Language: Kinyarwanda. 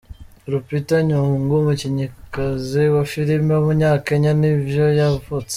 Lupita Nyong'o, umukinnyikazi wa filime w’umunyakenya nivwo yavutse.